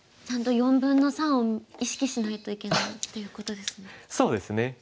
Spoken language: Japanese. ちゃんと４分の３を意識しないといけないということですね。